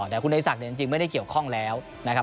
แต่คุณในศักดิ์เนี่ยจริงไม่ได้เกี่ยวข้องแล้วนะครับ